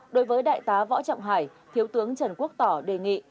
đối với đại tá võ trọng hải thiếu tướng trần quốc tỏ đề nghị